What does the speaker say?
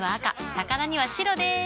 魚には白でーす。